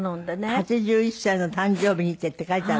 「８１歳の誕生日にて」って書いてある。